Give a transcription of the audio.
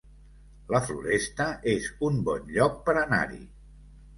La Floresta es un bon lloc per anar-hi